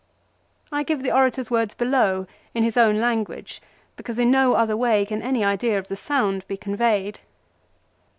I give the orator's words below in his own language, because in no other way can any idea of the sound be conveyed.